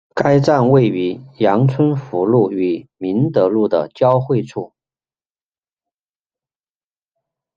该站位于杨春湖路与明德路的交汇处。